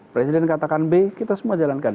presiden katakan b kita semua jalankan